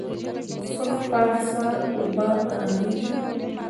سرخ پارسا اوبه رڼې دي؟